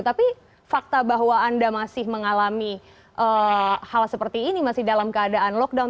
tapi fakta bahwa anda masih mengalami hal seperti ini masih dalam keadaan lockdown